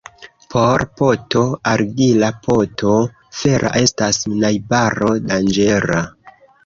Por poto argila poto fera estas najbaro danĝera.